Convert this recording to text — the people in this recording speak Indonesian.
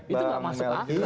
itu gak masuk akal